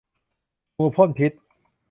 งูพ่นพิษ